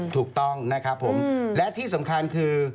ถูกต้องนะครับผมและที่สำคัญคือ